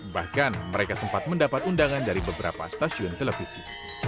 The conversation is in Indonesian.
bahkan mereka sempat mendapat undangan dari beberapa stasiun televisi